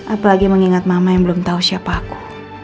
apalagi mengingat mama yang belum tahu siapa aku